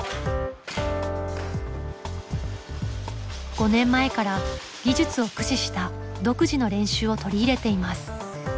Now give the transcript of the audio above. ５年前から技術を駆使した独自の練習を取り入れています。